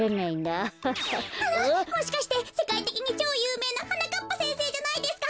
あのもしかしてせかいてきにちょうゆうめいなはなかっぱせんせいじゃないですか？